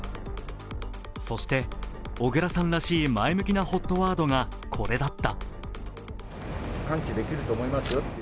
そして、小倉さんらしい前向きなＨＯＴワードがこれだった。